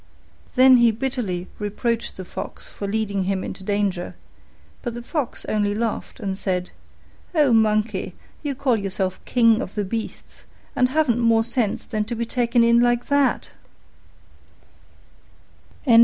Then he bitterly reproached the Fox for leading him into danger; but the Fox only laughed and said, "O Monkey, you call yourself King of the Beasts and haven't more sense than to be taken in like that!"